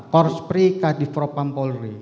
kors pri kadivro pampolri